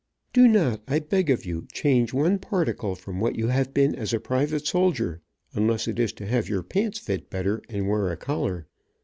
Do not, I beg of you, change one particle from what you have been as a private soldier, unless it is to have your pants fit better, and wear a collar.